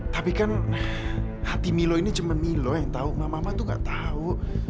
tapi kan hati milo ini cuma milo yang tahu emak emak tuh gak tahu